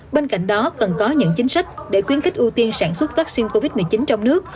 bên cạnh đó cần có những chính sách để khuyến khích ưu tiên sản xuất vaccine covid một mươi chín trong nước